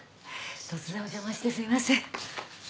突然お邪魔してすいません。